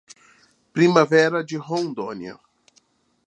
Primavera de Rondônia